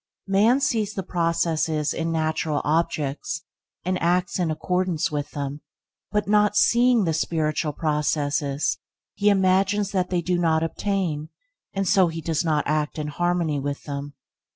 Man sees the processes in natural objects, and acts in accordance with them, but not seeing the spiritual processes, he imagines that they do not obtain, and so he does not act in harmony with them.